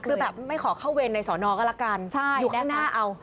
คือแบบไม่ขอเข้าเวรในสอนอก็ละกันอยู่ด้านหน้าเอา